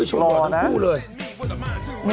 หน้ารักและหน้ายุ่งให้ชมเน่ะ